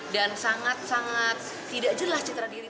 dan sangat sangat tidak jelas citra diri